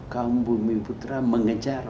kaum bumi putra mengejar